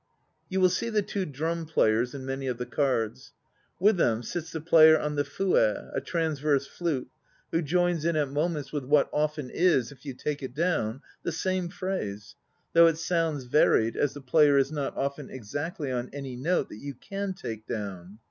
"You will see the two drum players in many of the cards. With them sits the player on the fue, a transverse flute, who joins in at moments with what often is, if you take it down, the same phrase, though it sounds varied as the player is not often exactly on any note that you can take down.